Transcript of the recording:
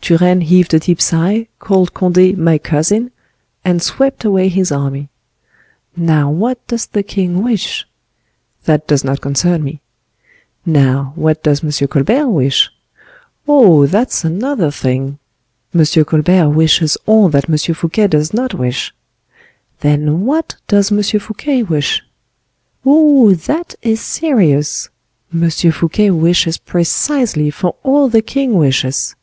Turenne heaved a deep sigh, called Conde 'My cousin,' and swept away his army. Now what does the king wish? That does not concern me. Now, what does M. Colbert wish? Oh, that's another thing. M. Colbert wishes all that M. Fouquet does not wish. Then what does M. Fouquet wish? Oh, that is serious. M. Fouquet wishes precisely for all the king wishes."